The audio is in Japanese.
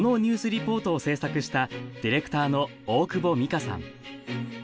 リポートを制作したディレクターの大久保美佳さん。